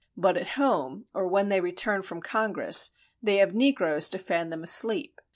But at home, or when they return from Congress, they have negroes to fan them asleep.